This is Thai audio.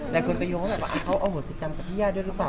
แล้วคนไปห่วงรียมแต่เขาเอาหัวศิกรรมกับพี่ย่าด้วยรึเปล่า